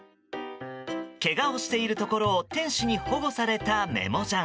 けがをしているところを店主に保護されたメモジャン。